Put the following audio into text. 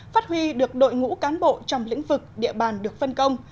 phát huy được đội ngũ cán bộ trong lĩnh vực địa bàn được phân công